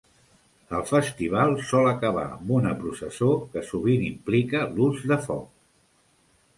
El festival sol acabar amb una processó, que sovint implica l'ús de foc.